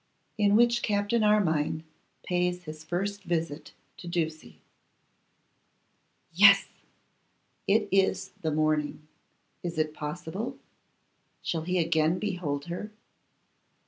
In Which Captain Armine Pays His First Visit to Ducie. YES! it is the morning. Is it possible? Shall he again behold her?